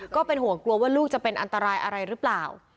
ก็เป็นห่วงกลัวว่าลูกจะเป็นอันตรายอะไรหรือเปล่า